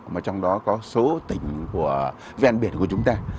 mà trong đó có số tỉnh của ven biển của chúng ta